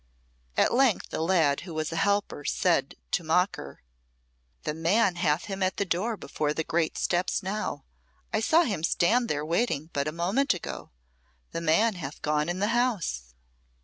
At length a lad who was a helper said to mock her "The man hath him at the door before the great steps now. I saw him stand there waiting but a moment ago. The man hath gone in the house."